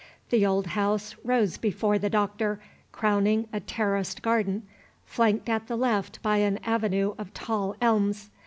The old house rose before the Doctor, crowning a terraced garden, flanked at the left by an avenue of tall elms.